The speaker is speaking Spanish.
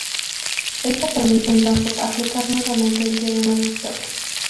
Esto permite entonces aplicar nuevamente el Teorema de Stokes.